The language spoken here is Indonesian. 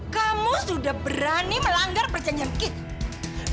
kamu sudah berani melanggar perjanjian kita